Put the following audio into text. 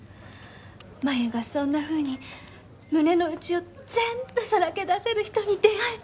真夢がそんなふうに胸の内を全部さらけ出せる人に出会えて。